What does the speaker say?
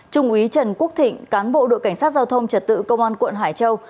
trung úy trần quốc thịnh cán bộ đội cảnh sát giao thông trật tự công an quận hải châu